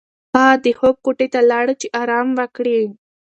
هغه د خوب کوټې ته لاړه چې ارام وکړي.